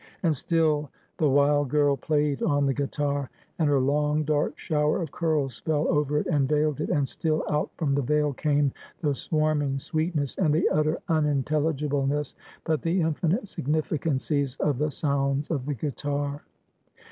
And still the wild girl played on the guitar; and her long dark shower of curls fell over it, and vailed it; and still, out from the vail came the swarming sweetness, and the utter unintelligibleness, but the infinite significancies of the sounds of the guitar.